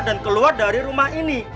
dan keluar dari rumah ini